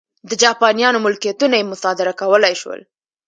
د جاپانیانو ملکیتونه یې مصادره کولای شول.